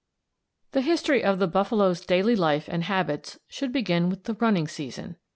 The history of the buffalo's daily life and habits should begin with the "running season."